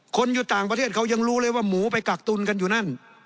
คนอยู่ต่างประเทศเขายังรู้เลยว่าหมูไปกักตุนกันอยู่นั่น